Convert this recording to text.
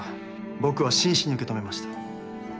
僕は真摯に受け止めました。